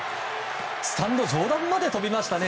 スタンド上段まで飛びましたね